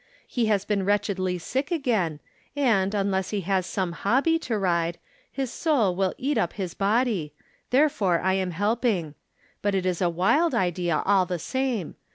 " He has been wretchedly sick again, and, unless he has some hobby to ride, his soul will eat up his body ; therefore I am helping. But it is a wild idea, all the same.